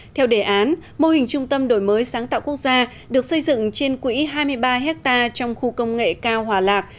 theo đề án mô hình trung tâm đổi mới sáng tạo quốc gia được xây dựng trên quỹ hai mươi ba hectare trong khu công nghệ cao hòa lạc